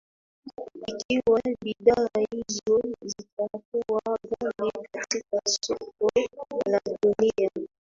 ikiwa bidhaa hizo zitakuwa gali katika soko la dunia